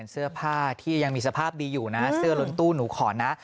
เสื้อผ้าที่ยังมีสภาพดีอยู่นะเสื้อล้นตู้หนูขอนะ